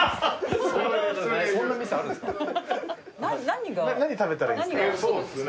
何食べたらいいですか？